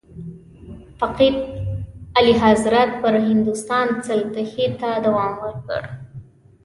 فقید اعلیحضرت پر هندوستان سلطې ته دوام ورکړ.